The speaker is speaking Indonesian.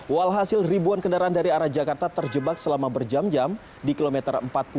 walhasil ribuan kendaraan dari arah jakarta terjebak selama berjam jam di kilometer empat puluh